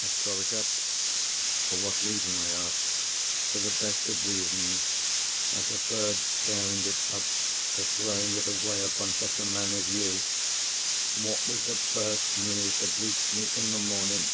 I tore it up. "For what reason?" I asked. "For the best of reasons. I preferred tearing it up to throwing it away upon such a man as you! What was the first news that reached me in the morning?